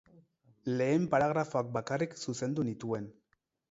Lehen paragrafoak bakarrik zuzendu nituen.